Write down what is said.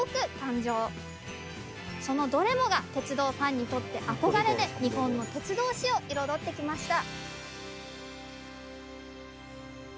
そのどれもが鉄道ファンにとって憧れで日本の鉄道史を彩ってきました。